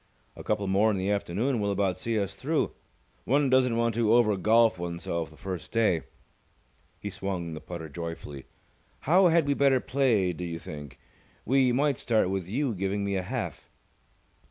A couple more in the afternoon will about see us through. One doesn't want to over golf oneself the first day." He swung the putter joyfully. "How had we better play do you think? We might start with you giving me a half."